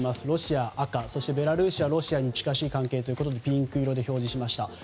ロシア赤、ベラルーシはロシアに近しい関係ということでピンク色で表示しました。